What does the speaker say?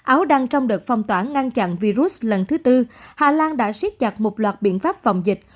áo đang trong đợt phong tỏa ngăn chặn virus lần thứ tư hà lan đã siết chặt một loạt biện pháp phòng dịch